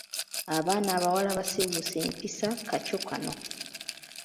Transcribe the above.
Abaana abawala basiwuuse empisa kakyo kano.